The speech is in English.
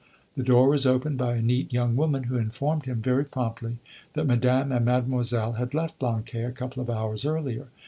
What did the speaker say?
The door was opened by a neat young woman, who informed him very promptly that Madame and Mademoiselle had left Blanquais a couple of hours earlier.